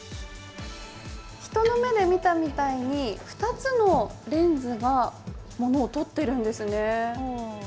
人の目で見たみたいに、２つのレンズが物を撮ってるんですね。